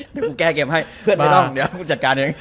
เดี๋ยวกูแก้เกมให้เพื่อนไม่ต้องเดี๋ยวให้กูจัดการเอง